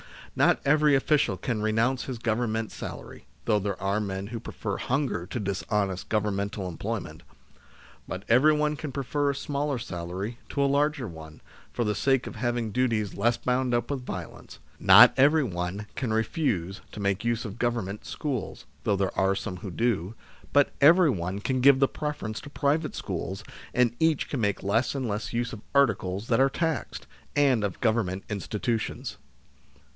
Not every official can renounce his Government salary (though there are men who prefer hunger to dishonest Governmental employment), but everyone can prefer a smaller salary to a larger one, for the sake of having duties less bound up with violence ; not every one can refuse to make use of Government schools l (though there are some who do), but everyone can give the preference to private schools, and each can make less and less use of articles that are taxed, and of Government institutions.